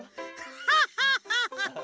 ハハハハ！